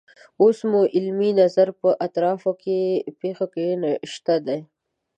اوس مو علمي نظر په اطرافو کې پیښو ته شته دی.